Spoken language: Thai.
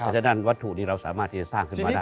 ฉะนั้นวัตถุนี้เราสามารถที่จะสร้างขึ้นมาได้